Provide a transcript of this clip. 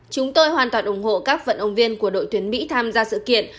chúng tôi hoàn toàn ủng hộ các vận động viên của đội tuyển mỹ tham gia sự kiện